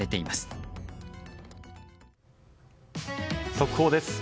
速報です。